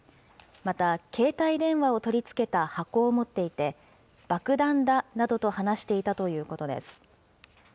また、携帯電話を取り付けた箱を持っていて、爆弾だなどと話していたということです。